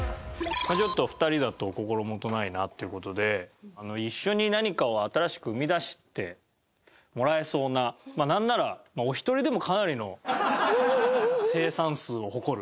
ちょっと２人だと心もとないなっていう事で一緒に何かを新しく生み出してもらえそうななんならお一人でもかなりの生産数を誇る。